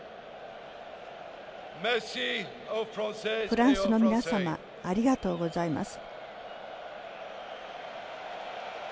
フランスの皆様ありがとうございます。